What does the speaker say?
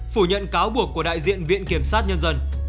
phủ nhận cáo buộc của đại diện viện kiểm sát nhân dân